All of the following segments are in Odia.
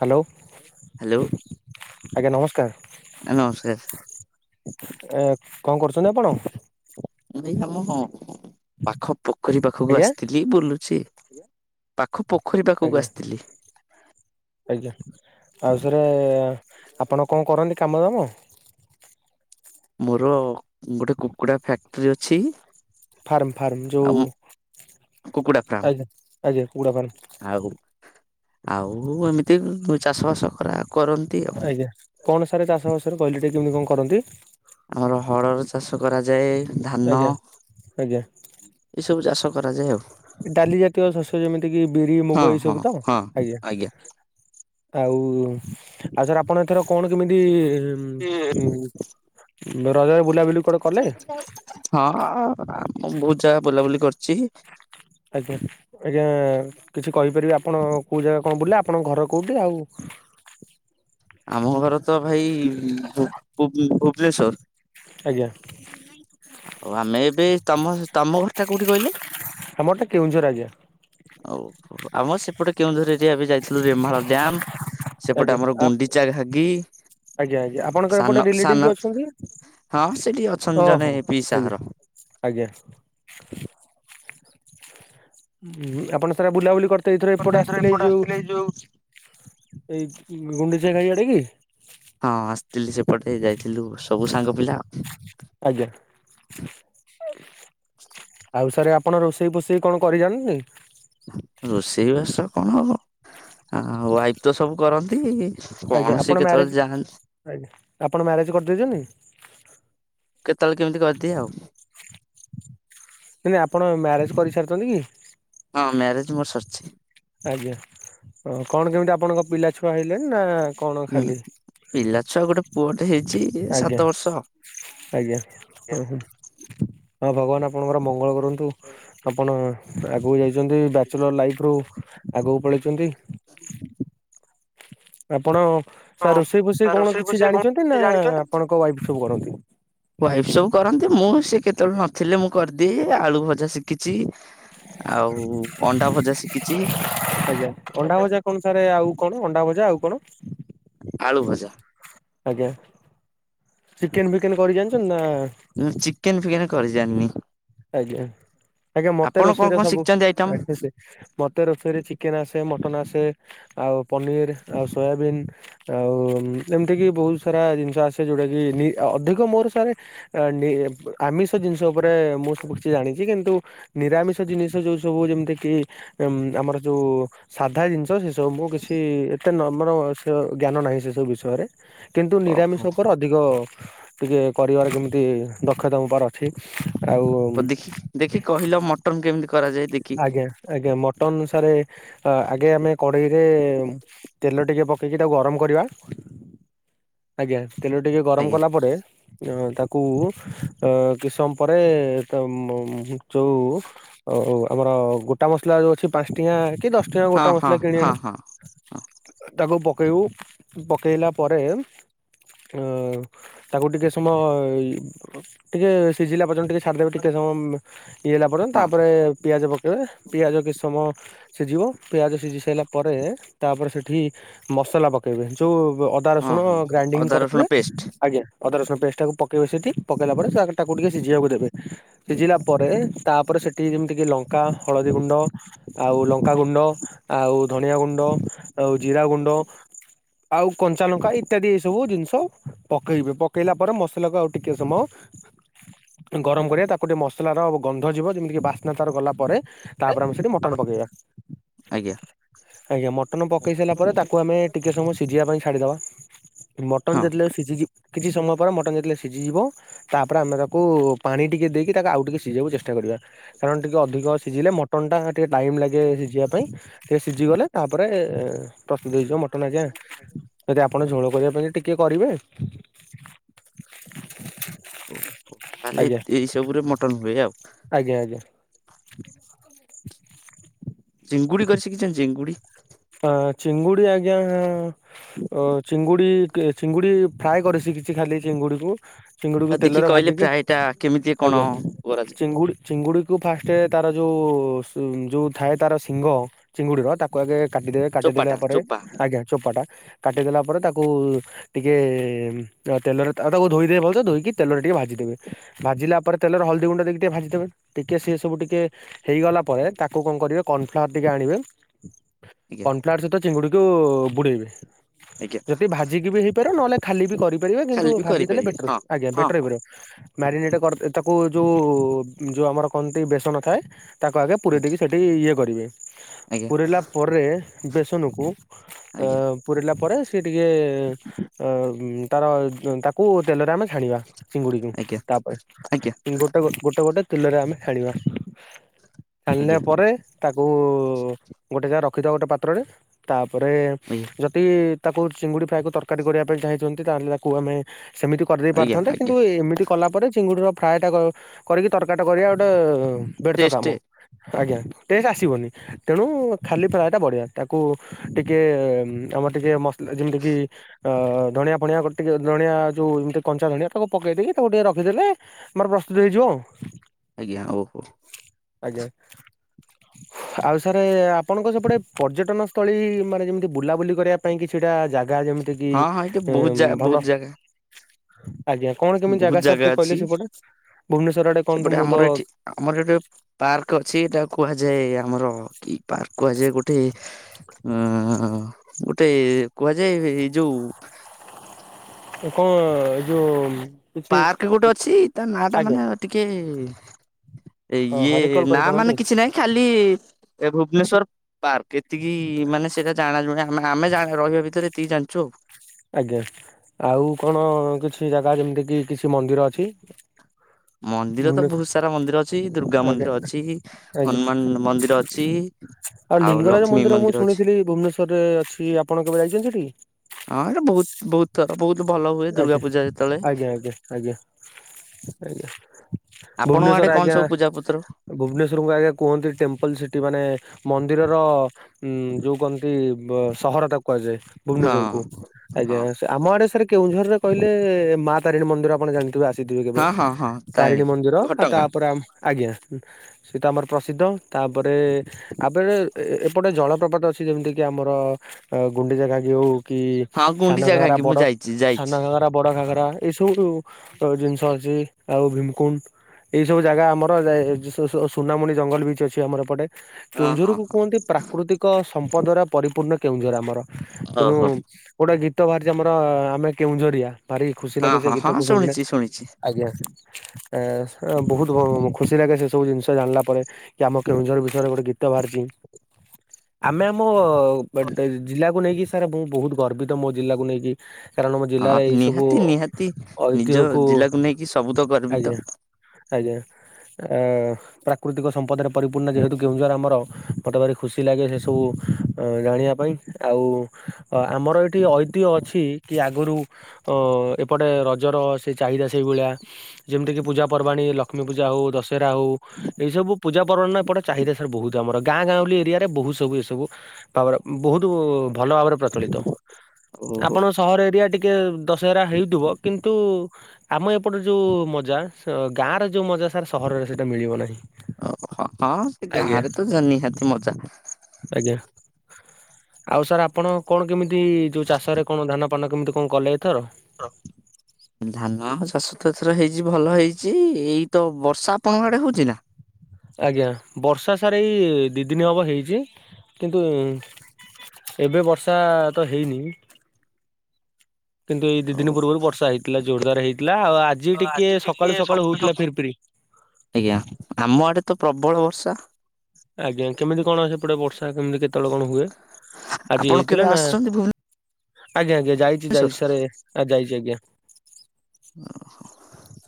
ହ୍ୟାଲୋ ହ୍ୟାଲୋ ଆଜ୍ଞା ନମସ୍କାର ନମସ୍କାର। ଏ କଣ କରୁଛନ୍ତି ଆପଣ ଏଇ ଆମ ହଁ ପାଖ ପୋଖରୀ ପାଖକୁ ଆଜ୍ଞା ଆସିଥିଲି ବୁଲୁଛି ପାଖ ପୋଖରୀ ପାଖକୁ ଆଜ୍ଞା ଆସିଥିଲି ଆଜ୍ଞା ଆଉ ସେରେ ଆପଣ କଣ କରନ୍ତି କାମ ଦାମ ମୋର ଗୋଟେ କୁକୁଡ଼ା ଫ୍ୟାକ୍ଟ୍ରି ଅଛି ଫାର୍ମ ଫାର୍ମ ଯୋଉ ଆଉ କୁକୁଡା ଫାର୍ମ ଆଜ୍ଞା ଆଜ୍ଞା କୁକୁଡା ଫାର୍ମ ଆଉ ଆଉ ଏମିତି ଚାଷ ବାସ କରେ କରନ୍ ଆଜ୍ଞା କଣ ସାର୍ ଚାଷବାସରେ କହିଲ ଟେ କେମିତି କଣ କରନ୍ତି ଆମର ହରଡ ଚାଷ କରାଯାଏ ଧାନ ଆଜ୍ଞା ଆଜ୍ଞା ଏସବୁ ଚାଷ କରାଯାଏ ଆଉ ଡାଲି ଜାତୀୟ ଶସ୍ୟ ଯେମିତି କି ବିରି ହଁ ମୁଗ ଏଇ ହଁ ସବୁ ତ ହଁ ଆଜ୍ଞା। ଆଉ ଆଉ ସାର୍ ଆପଣ ଏଥର କଣ କେମିତି ହଁ ହୁଁ ରଜରେ ବୁଲାବୁଲି କୁଆଡେ କଲେ ହଁ ଆ ବହୁତ ଜାଗା ବୁଲାବୁଲି କରିଛି ଆଜ୍ଞା। ଆଜ୍ଞା କିଛି କହିପାରିବେ ଆପଣ କୋଉ ଜାଗା କଣ ବୁଲେ ଆପ ଆପଣଙ୍କ ଘର କେଉଁଠି ଆଉ ଆମ ଘର ତ ଭାଇ ଭୁ-ଭୁ-ଭୁବନେଶ୍ଵର। ଆଜ୍ଞା ଆଉ ଆମେ ଏବେ ତମ ତମ ଘରଟା କୋଉଠି କହିଲେ? ଆମର ଟା କେଉଁଝର ଆଜ୍ଞା ଆମ ସେପଟେ କେଉଁଝର ଏରିଆ ଏବେ ଯାଇଥିଲୁ ରେମାଳ ଡ୍ୟାମ। ସେପଟେ ଆଜ୍ଞା ଆମର ଆ ଗୁଣ୍ଡି ଆରେ ହାଗି। ଆଜ୍ଞା ଆଜ୍ଞା। ଆପଣଙ୍କର ଏପଟେ ରିଲେଟିଭ କିଏ ଅଛନ୍ତି? ହଁ ସେଠି ଅଛନ୍ତି ଜଣେ ଓହୋ ପିଇସା ଘର। ଆଜ୍ଞା। ଆଜ୍ଞା। ହୁଁ ଆପଣ ସାର ଆଉ ବୁଲାବୁଲି କରି ତ ଏଇଥର ଏପଟ ଆସିଥିଲେ ଏଇ ଯୋଉ, ଏଇ ଗୁଣ୍ଡିଚଆ ଖାଇ ଆଡେ କି? ହଁ ଆସିଥିଲି ସେପଟେ ଯାଇଥିଲୁ, ସବୁ ସାଙ୍ଗ ପିଲା। ଆଜ୍ଞା। ଆଉ ସାରେ ଆପଣ ରୋଷେଇ ପୋଷେଇ କଣ କରିଜାଣନି? ରୋଷେଇବାସ କଣ, ଅ ୱାଇଫ୍ ତ ସବୁ କରନ୍ତି। କଣ ଆଜ୍ଞା ସେ ଆପଣ କେତେବେଳେ ମ୍ୟାରେଜ, ଯାଆନ୍ତି ଆଜ୍ଞା। ଆପଣ ମ୍ୟାରେଜ କରିଦେଇଛନ୍ତି? କେତେବେଳେ କେମିତି କରିଦିଏ ଆଉ। ନାଇ ଆପଣ ମ୍ୟାରେଜ କରିସାରିଛନ୍ତି କି? ହଁ ମ୍ୟାରେଜ ମୋର ସରିଛି। ଆଜ୍ଞା। କଣ କେମିତି ଆପଣଙ୍କ ପିଲାଛୁଆ ହେଲେଣିି ନା କଣ ହୁଁ। ଖାଲି ପିଲା ଛୁଆ ଗୋଟେ ପୁଅଟେ ହେଇଛି, ଏ ଆଜ୍ଞା ସାତ ବର୍ଷ। ଆଜ୍ଞା। ଁ ହୁଁ। ହଉ ଭଗବାନ ଆ ଆପଣଙ୍କର ମଙ୍ଗଳ କରନ୍ତୁ। ଆପଣ ଆଗକୁ ଯାଇଛନ୍ତି, ବ୍ୟାଚଲର ଲାଇଫ୍ ରୁ ଆଗକୁ ପଳେଇଛନ୍ତି। [inaudible] ଆପଣ, ସାର୍ ହଁ ରୋଷେଇ ତା ଫୋଷେଇ କଣ ରୋଷେଇ କିଛି ଫୋଷେଇ କଣ ଜାଣିଛନ୍ତି କିଛି ନା ଆପଣଙ୍କ ୱାଇଫ ସବୁ କରନ୍ତି? ୱାଇଫ ସବୁ କରନ୍ତି, ମୁଁ ସେ କେତେବେଳେ ନଥିଲେ ମୁଁ କରିଦିଏ। ଆଳୁ ଭଜା ଶିଖିଛି ଆଉ ଅଣ୍ଡା ଭଜା ଶିଖିଛି। ଆଜ୍ଞା ଅଣ୍ଡା ଭଜା କଣ ସାରେ ଆଉ କଣ? ଅଣ୍ଡା ଭଜା ଆଉ କଣ? ଆଳୁ ଭଜା। ଆଜ୍ଞା। ଚିକେନ ଫିକେନ କରି ଜାଣିଛନ୍ତି ନା? ମୁଁ ଚିକେନ ଫିକେନ କରି ଜାଣିନି। ଆଜ୍ଞା। ଆଜ୍ଞା ମତେ ଆପଣ କଣ ରୋଷେଇରେ କଣ ସବୁ ଶିଖିଛନ୍ତି ଆଇଟମ? ଆ ସେ। ମତେ ରୋଷେଇରେ ଚିକେନ ଆସେ ମଟନ ଆସେ ଆଉ ପନିର ଆଉ ସୋୟାବିନ୍। ଆଉ ଏମିତି କିି ବହୁତ ସାରା ଜିନିଷ ଆସେ ଯୋଉଟା କି ନି, ଅଧିକ ମୋର ସାରେ ଏ ନି ଆମିଷ ଜିନିଷ ଉପରେ ମୁଁ ସବୁ କିଛି ଜାଣିଛି। କିନ୍ତୁ ନିରାମିଷ ଜିନିଷ ଯୋଉ ସବୁ ଯେମିତି କିି ଏମ ଆମର ଯୋଉ ସାଧା ଜିନିଷ, ସେ ତ ମୁଁ କିଛି ଏତେ ନମର ସ ଜ୍ଞାନ ନାହିଁ ସେ ସବୁ ବିଷୟରେ। କିନ୍ତୁ ନିରାମିଷ ଓହୋ ଉପରେ ଅ ଧିକ ଟିକେ କରିବାର ଯେମିତି ଦକ୍ଷତା ମୋ ପାଖରେ ଅଛି। ହଉ ଆଉ ଦେଖି, ଦେଖି କହିଲ ମଟନ କେମିତି କରାଯାଏ ଦେଖି? ଆଜ୍ଞା ଆଜ୍ଞା। ମଟନ ସାରେ, ଆଗେ ଆମେ କଡେଇରେ ତେଲ ଟିକେ ପକେଇକି ତାକୁ ଗରମ କରିବା। ଆଜ୍ଞା। ତେଲ ଟିକେ ଗରମ ଆଜ୍ଞା। କଲା ପରେ, ତାକୁ ଅ କିସମ ପରେ ତମମ ଯଉ ଅ ଆମର ଗୋଟା ମସଲା ଯୋଉ ଅଛି ପାଞ୍ଚ ଟଙ୍କିଆ କି ଦଶ ଟଙ୍କା ହଁ ଗୋଟା ହଁ ମସଲା କିଣି ହଁ ଆଣିବେ। ହଁ ହଁ ତାକୁ ପକେଇବୁ। ପକେଇଲା ପରେ। ଅ ତାକୁ ଟିକେ ସମୟ ଅ ଟିକେ ସିଜିଲା ପର୍ଯ୍ୟନ୍ତ ଟିକେ ଛାଡ଼ିଦବ ଟିକେ ସମୟ ଅମ୍ ଇଏ ହେଲା ପର୍ଯ୍ୟନ୍ ହଁ ତାପରେ ପିଆଜ ପକେଇବେ ପିଆଜ କିଛ ସମୟ ସିଜିବ ପିଆଜ ସିଜି ସାଇଲା ପରେ ତାପରେ ସେଠି ମସଲା ପକେଇବେ ଯୋଉ ବ ଅଦ୍ ଦା ହଁ ରସୁଣ ହଁ ଗ୍ରାଇଣ୍ଡିଙ୍ଗ୍ ଅଦା ରସୁଣ କରିଥିବେ ପେଷ୍ଟ। ଆଜ୍ଞା ଅଦା ରସୁଣ ପେଷ୍ଟ୍ ଟାକୁ ପକେଇବେ ସେଠି ପକେଇଲା ପରେ ସେ ଆଗରେ ତାକୁ ଟିକେ ସିଜିବାକୁ ଦେବେ। ସିଜିଲା ପରେ ତାପରେ ସେଠି ଯେମିତି କି ଲଙ୍କ୍ କା ହଳଦୀଗୁଣ୍ଡ ଆଉ ଲଙ୍କାଗୁଣ୍ଡ ଆଉ ଧନିଆଗୁଣ୍ଡ ଆଉ ଜିରାଗୁଣ୍ଡ ଆଉ କଞ୍ଚା ଲଙ୍କା ଇତ୍ୟାଦି ଏସବୁ ଜିନିଷ ପକେଇବେ। ପକେଇଲା ପରେ ମସଲାକୁ ଆଉ ଟିକେ ସମୟ ଏଇନ୍ ଗରମ କରିବା ତାକୁ ଟିକେ ମସଲାର ଗନ୍ଧ ଯିବ ଯେମିତିକି ବାସ୍ନା ତାର ଗଲା ପରେ ତାପରେ ଆମେ ସେଟି ମଟନ ପକେଇବା ଆଜ୍ଞା ଆଜ୍ଞା ମଟନ୍ ପକେଇ ସାଇଲା ପରେ ତାକୁ ଆମେ ଟିକେ ସମୟ ସିଝିବା ପାଇଁ ଛାଡିଦବା ମଟନ୍ ହଁ। ଯେତେବେଳେ ସିଝିଯି କିଛି ସମୟ ପରେ ମଟନ୍ ଯେତେବେଳେ ସିଜିଯିବ ତାପରେ ଆମେ ତାକୁ ପାଣି ଟିକେ ଦେଇକି ତାକୁ ଆଉ ଟିକେ ସିଜେଇଆକୁ ଚେଷ୍ଟା କରିବା। କାରଣ ଟିକେ ଅଧିକ ସିଜିଲେ ମଟନ୍ ଟା ଟିକେ ଟାଇମ୍ ଲାଗେ ସିଝିବା ପାଇଁ ସେ ସିଜିଗଲେ ତାପରେ ପ୍ରସ୍ତୁତ ହେଇଯିବ ମଟନ ଆଜ୍ଞା ଯଦି ଆପଣ ଝୋଳ କରିବା ପାଇଁ ହେଲେ ଟିକେ କରିବେ। ଓ [unintelligible] ଆଜ୍ଞା ଏଇ ସବୁରେ ମଟନ୍ ହୁଏ ଆଉ। ଆଜ୍ଞା ଆଜ୍ଞା। ଚିଙ୍ଗୁଡି କରି ଶିଖିଚନ୍ତି ଚିଙ୍ଗୁଡି? ତ ଚିଙ୍ଗୁଡି ଆଜ୍ଞା ଅ ଚିଙ୍ଗୁଡି କିଏ ଚିଙ୍ଗୁଡି ଫ୍ରାଏ କରି ଶିଖିଛି ଖାଲି ଚିଙ୍ଗୁଡି କୁ? ଚିଙ୍ଗୁଡିକୁ ଆଉ ଦେଖି ତେଲରେ କହିଲେ ଭାଜିକି ଫ୍ରାଏ ଟା କେମିତି କଣ ଆଜ୍ଞା କରାଯାଏ? ଚିଙ୍ଗୁଡ଼ି ଚିଙ୍ଗୁଡିକୁୁ ଫାଷ୍ଟେ ତାର ଯୋଉ ସିମ୍ ଯୋଉ ଥାଏ ତାର ଶିଙ୍ଗ ଚିଙ୍ଗୁଡିର ତାକୁ ଆଗେ କାଟିଦେବେ। କାଟିଦେଲା ଚୋପାଟା ପରେ ଚୋପା ଆଜ୍ଞା ଚୋପାଟା କାଟିଦେଲା ପରେ ତାକୁ ଟିକେ ଉଁ ତା ତେଲରେ ତା ଆଉ ତାକୁ ଧୋଇଦେବେ ଭଲ୍ ସେ ଧୋଇକି ତେଲରେ ଟିକେ ଭାଜିଦେବେ। ଭାଜିଲା ପରେ ତେଲରେ ହଳଦୀ ଗୁଣ୍ଡ ଦେଇକି ଟିକେ ଭାଜିଦେବେ ଦେଖିବେ ସେ ସବୁ ଟିକେ ହେଇଗଲା ପରେ ତାକୁ କଁ କରିବେ କର୍ଣଫ୍ଲାୱାର ଟିକେ ଆଣିବେ ଆଜ୍ଞା କର୍ଣଫ୍ଲାୱାର୍ ସହିତ ଚିଙ୍ଗୁଡିକୁ ବୁଡେଇବେ। ଆଜ୍ଞା ଯଦି ଭାଜିକି ବି ହେଇପାରେ ନହେଲେ ଖାଲି ବି କରିପାରିବେ ଖାଲି କିନ୍ତୁ ବି ଭାଜି ଦେଲେ କରିପାରିବେ ବେଟର ହଁ ଆଜ୍ଞା ହଁ ବେଟର ହେଇପାରିବ। ମ୍ୟାରିନେଟେ କର ଏ ତାକୁ ଯୋଉ ଯୋଉ ଆମର କହନ୍ତି ବେସନ ଥାଏ ତାକୁ ଆଗେ ଆଜ୍ଞା। ପୁରେଇଦେଇକି ସେଇଠି ଇଏ କରିବେ। ଆଜ୍ଞା ପୁରେଇଲା ପରେ ବେସନକୁ ଅ ଆଜ୍ଞା ପୁରେଇଲା ପରେ ସେ ଟିକେ ଅ ଉମ୍ ତାର ଉମ୍ ତାକୁ ତେଲରେ ଆମେ ଛାଣିବା ଚିଙ୍ଗୁଡିକୁ, ଆଜ୍ଞା ତାପରେ ଆଜ୍ଞା ଉମ୍ ଗୋଟେ ଗୋଟ୍ ଗୋଟେ ଗୋଟେ ତେଲରେ ଆମେ ଛାଣିବା। ଛାଣିଲା ଆଜ୍ଞା ପରେ ତାକୁ ଉ ଗୋଟେ ଜାଆର ରଖିଦବା ଗୋଟେ ପାତ୍ରରେ, ତାପରେ ଆଜ୍ଞା ଯଦି ତାକୁ ଚିଙ୍ଗୁଡ଼ି ଫ୍ରାଏକୁ ତରକାରୀ କରିବା ପାଇଁ ଚାହିଁଛନ୍ତି ତାହେଲେ ତାକୁ ଆମେ ସେମିତି କରିଦେଇ ଆଜ୍ଞା ପାରଥାନ୍ତେ କିନ୍ତୁ ଆଜ୍ଞା ଏମିତି କଲା ପରେ ଚିଙ୍ଗୁଡିର ଫ୍ରାଏ ଟା କ କରିକି ତରକାରି ଟା କରିବା ଗୋଟେ ବ୍ୟେର୍ଥ ଟେଷ୍ଟ କାମ। ଆଜ୍ଞା ଟେଷ୍ଟ୍ ଆସିବନି ତେଣୁ ଖାଲି ଫ୍ରାଏଟା ବଢ଼ିଆ। ତାକୁ ଟିକେ ଅମ୍ ଆମର ଟିକେ ମସଲା ଯେମିତିକି ଅ ଧଣିଆ ଫଣିଆ [unintelligible] ଟିକେ ଧଣିଆ ଯୋଉ ଏମିତି କଞ୍ଚା ଧଣିଆ ତାକୁ ପକେଇ ଦେଇକି ତାକୁ ଟିକେ ରଖିଦେଲେ ଆମର ପ୍ରସ୍ତୁତ ହେଇଯିବ ଆଉ। ଆଜ୍ଞା ଓହୋ। ଆଜ୍ଞା ଆଉ ସାରେ ଆପ୍ ଆପଣଙ୍କ ସେପଟ ପର୍ଯ୍ୟଟନସ୍ଥଳୀ ମାନେ ଯେମିତି ବୁଲାବୁଲି କରିବା ମୋ ପାଇଁ କିଛିଟା ଜାଗା ଯେମିତି କି ହଁ ହଁ ଏଇଠି ବହୁତ ଜାଗା ବହୁତ ଭଲ ଜାଗା ଆଜ୍ଞା କଣ କେମିତି ବହୁତ ଜାଗା ସାର୍ ଠିକ କହିଲେ ଅଛି ସେପଟେ ଭୁବନେଶ୍ଵର ଆଡେ କଣ ତ ସେପଟେ ମୁଁ ଆମର ତ ଏଠି ଆମର ସେଠି ପାର୍କ ଅଛି ତାକୁ କୁହାଯାଏ ଆମର କି ପାର୍କ କୁହାଯାଏ ଗୋଟେ ଆଁ ଗୋଟେ କୁହାଯାଏ ଏଇ ଯୋଉ କଣ ଏ ଯୋଉ କିଛି ପାର୍କ ଗୋଟେ ଅଛି ତା ନା ଟା ଆଜ୍ଞା ମାନେ ଟିକେ ଏ ଇଏ ହଁ ରିକଲ୍ ନା ମାନେ କରିପାରନ୍ତି? କିଛି ନାହିଁ ଖାଲି ଏ ଭୁବନେଶ୍ଵର ପାର୍କ ଏତିକି ମାନେ ସେଇଟା ଜାଣ ଜୁଣି ଆମେ ଆମେ ଜାଣ ରହିବା ଭିତରେ ଏତିକି ଜାଣିଛୁ ଆଉ। ଆଜ୍ଞା, ଆଉ କଣ କିଛି ଜାଗା ଯେମିତି କି କିଛି ମନ୍ଦିର ଅଛି? ମନ୍ଦିର ତ ଭୁବନେଶ୍ୱର ବହୁତ ସାରା ମନ୍ଦିର ଅଛି ଦୁର୍ଗା ଆଜ୍ଞା। ମନ୍ଦିର ଅଛି, ଆଜ୍ଞା ହନୁମାନ ମନ୍ଦିର ଅଛି। ଆଉ ଲିଙ୍ଗରାଜ ମନ୍ଦିର ମୁଁ ଶୁଣିଥିଲି ଭୁବନେଶ୍ଵରରେ ଅଛି। ଆପଣ କେବେ ଯାଇଛନ୍ତି ସେଠିକି? ହଁ ଯେ ବହୁତ ବହୁତ ତାର ବହୁତ ଭଲ ହୁଏ ଦୁର୍ଗା ଆଜ୍ଞା ପୂଜା ଯେତେବେଳେ ଆଜ୍ଞା ଆଜ୍ଞା ଆଜ୍ଞା ଆଜ୍ଞା ଆପଣଙ୍କ ଭୁବନେଶ୍ୱର ଆଡେ କଣ ଆଜ୍ଞା ସବୁ ପୂଜା ପତ୍ର? ଭୁବନେଶ୍ୱରକୁ ଆଜ୍ଞା କୁହନ୍ତି ଟେମ୍ପଲ ସିଟି ମାନେ ମନ୍ଦିରର ଉ ଯୋଉ କହନ୍ତି ସହର ତାକୁ କୁହାଯାଏ, ହଁ ଭୁବନେଶ୍ଵର କୁ। ଆଜ୍ଞା, ହଁ ଆମ ଆଡେ ସାର୍ କେଉଁଝରରେ କହିଲେ ମା ତାରିଣୀ ମନ୍ଦିର ଆପଣ ଜାଣିଥିବେ ଆ ସିଥିବେ କେବେ। ହଁ ହଁ ହଁ ତାରିଣୀ ମନ୍ଦିର ଆଉ ଘଟଗାଁ ତାପରେ ଆମ ଆଜ୍ଞା ସେ ତ ଆମର ପ୍ରସିଦ୍ଧ। ତାପରେ ଆ ଏପଟେ ଏ ଏପଟେ ଜଳପ୍ରପାତ ଅଛି ଯେମିତି କିି ଆମର ଗୁଣ୍ଡିଚା ଗାଗି ହଉ କି ହଁ ଗୁଣ୍ଡିଚା ସାନଘଗରା ଘାଗି ମୁଁ ବଡ ଯାଇଛି ଯାଇଛି ସାନ ଘାଗରା ବଡ ଘାଗରା ଏଇ ସବୁ ଜିନିଷ ଅଛି ଆଉ ଭିମକୁଣ୍ଡ। ଏଇ ସବୁ ଜାଗା ଆମର ଯାଇ ସୁ ସୁ ସୁନାମୁନି ଜଙ୍ଗଲ ବିଚ ଅଛି ଆମର ଏପଟେ। ହଁ କେଉଁଝର ହଁ କୁ କୁହନ୍ତି ପ୍ରାକୃତିକ ସମ୍ପଦ ଦ୍ୱାରା ପରିପୂର୍ଣ୍ଣ କେଉଁଝର ଆମର‌। ତେଣୁ ଓହୋ। ଗୋଟେ ଗୀତ ବାହାରିଛି ଆମର ଆମେ କେଉଁଝରିଆ। ଭାରି ଖୁସି ହଁ ଲାଗେ ସେ ହଁ ହଁ ଗୀତକୁ ଶୁଣିଲେ, ଶୁଣିଛି ଶୁଣିଛି ଆଜ୍ଞା। ଏ ବହୁତ ଖୁସି ଲାଗେ ସେ ସବୁ ଜିନିଷ ଜାଣିଲା ପରେ କି ଆମ କେଉଁଝର ବିଷୟରେ ଗୋଟେ ଗୀ ତ ବାହାରିଛି ଆମେ ଆମ ଜିଲ୍ଲାକୁ ନେଇକି ସାର୍ ମୁଁ ବହୁତ ଗର୍ବି ତ ମୋ ଜିଲ୍ଲାକୁ ନେଇକି। କାରଣ ଆମ ହଁ ଜିଲ୍ଲାରେ ଏଇ ସବୁ ନିହାତି ନିହାତି ନିଜ ଐତିହ୍ୟକୁ, ଜିଲ୍ଲାକୁ ନେଇକି ସବୁ ତ ଗର୍ବିତ ଆଜ୍ଞା। ଆଜ୍ଞା ଆ ପ୍ରାକୃତିକ ସମ୍ପଦରେ ପରିପୂର୍ଣ୍ଣ ଯେହେତୁ କେଉଁଝର ଆମର। ମୋତେ ଭାରି ଖୁସି ଲାଗେ ସେ ସବୁ ଜାଣିବା ପାଇଁ ଆଉ ଅ ଆମର ଏଇଠି ଐତିହ୍ୟ ଅଛି କି ଆଗରୁ ଅ ଏପଟେ ରଜର ସେ ଚାହିଦା ସେଇଭଳିଆ। ଯେମିତିକି ପୂଜା ପର୍ବାଣୀ ଲକ୍ଷ୍ମୀ ପୂଜା ହଉ ଦଶହରା ହଉ। ଏଇ ସବୁ ପୂଜା ପ୍ରାର୍ବଣ ନା ଏପଟେ ଚାହିଦ ସାର୍ ବହୁତ। ଆମର ଗାଁ ଗାଉଁଲି ଏରିଆ ରେ ବହୁତ ସବୁ ଏ ସବୁ ତାପରେ ବହୁତ ଭଲ ଭାବରେ ପ୍ରଚଳିତ ଓହୋ ଆପଣ ସହର ଏରିଆ ଟିକେ ଦଶହରା ହେଉଥିବ। କିନ୍ତୁ ଆମ ଏପଟେ ଯୋଉ ମଜା ସ ଗାଁ ରେ ଯୋଉ ମଜା ସାର୍ ସହରରେ ସେଇଟା ମିଳିବ ନାହିଁ। ଆଜ୍ଞା। ସାର୍ ନିହାତି ମଜା। ଆଜ୍ଞା। ଆଉ ସାରେ ଆପଣ କଣ କେମିତି ଯୋଉ ଚାଷରେ କଣ ଧାନପାନ କେମିତି କଣ କଲେ ଏଥର? ହ ଧାନ ଚାଷ ଏଥର ହେଇଛି ଭଲ ହେଇଛି ଏଇତ ବର୍ଷା ଆପଣଙ୍କ ଆଡେ ହଉଛି ନାଁ? ଆଜ୍ଞା ବର୍ଷା ସାରେ ଏଇ ଦୁଇ ଦିନ ହେବ ହେଇଛି କିନ୍ତୁ ଏବେ ବର୍ଷା ତ ହେଇନି। କିନ୍ତୁ ଏଇ ଦି ହଉ ଦିନ ପୂର୍ବରୁ ବର୍ଷା ହେଇଥିଲା ଜୋରଦାର ହେଇଥିଲା ଆଉ ଆଜି ଟିକେ ସକାଳୁ ସକାଳୁ ହଉଥିଲା ଫିରି ଫିରି ଆଜ୍ଞା ଆମ ଆଡେ ତ ପ୍ରବଳ ବର୍ଷା। ଆଜ୍ଞା କେମିତି କଣ ସେପଟେ ବର୍ଷା କେମିତି କେତେବେଳେ କଣ ହୁଏ ଆଜି ଆପଣ କେବେ ହେଇଥିଲା ନା? ଆସିଛନ୍ତି ଆଜ୍ଞା ଆଜ୍ଞା ଯାଇଛି ଭୁବନେଶ୍ଵର ଯାଇଛି ସାରେ ଯାଇଛି ଆଜ୍ଞା। ଓହୋ [inaudible]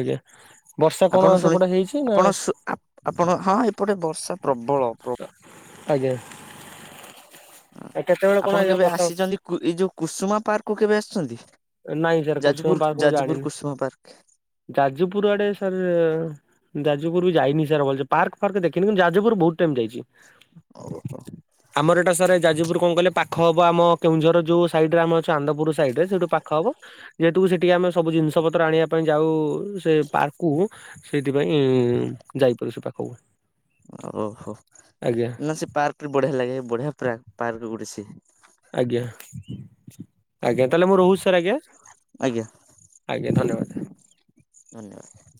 ଆଜ୍ଞା ବର୍ଷା କଣ ଶୁଣି ସେପଟେ ହେଇଛି ନାଁ? ଆପଣ ସୁ ଆପଣ ହଁ ଏପଟେ ବର୍ଷା ପ୍ରବଳ ପ୍ର ଆଜ୍ଞା। କେତେବେଳେ କଣ ଆପଣ ଆଜ୍ଞା କେବେ ବର୍ଷା ଆସିଛନ୍ତି ଏଇ ଯୋଉ କୁସୁମା ପାର୍କକୁ କେବେ ଆସିଛନ୍ତି? ନାଇଁ ସାର୍ କୁସୁମ ଯାଜପୁର ପାର୍କ ମୁଁ ଜାଣିନି। ଯାଜପୁର କୁସୁମା ପାର୍କ। ଯାଜପୁର ଆଡେ ସାରେ ଯାଜପୁର ବି ଯାଇନି ସାରେ ପାର୍କ ଫାର୍କ ଦେଖିନି କିନ୍ତୁ ଯାଜପୁର ବହୁତ୍ ଟାଇମ୍ ଯାଇଛି। [unintelligible] [inaudible] ଆମର ଏଇଟା ସାରେ ଯାଜପୁର କଣ କହିଲେ ପାଖ ହବ ଆମ କେଉଁଝର ଯୋଉ ସାଇଟିରେ ଆମ ଅଛୁ ଆନନ୍ଦ ପୁର ସାଇଟିରେ ସେଠୁ ପାଖ ଖ ହେବ ଯେ ତୁ ସେଠିକି ଆମେ ସବୁ ଜିନିଷ ପତ୍ର ଆଣିବା ପାଇଁ ଯାଉ ସେ ପାର୍କକୁ ସେଇଥିପାଇଁ ଯାଇପାରୁଛୁ ପାଖକୁ। ଓହୋ ଆଜ୍ଞା ସେ ପାର୍କ ବଢିଆ ଲାଗେ ବଢିଆ ପାର୍କ ପାର୍କ ଗୋଡେ ସେ। ଆଜ୍ଞା ଆଜ୍ଞା ତାହେଲେ ମୁଁ ରହୁଛି ସାରେ ଆଜ୍ଞା। ଆଜ୍ଞା ଆଜ୍ଞା ଧନ୍ୟବାଦ। ଧନ୍ୟବାଦ।